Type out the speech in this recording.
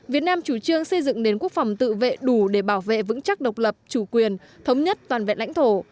việt nam chủ trương xây dựng nền quốc phòng tự vệ đủ để bảo vệ vững chắc độc lập chủ quyền thống nhất toàn vẹn lãnh thổ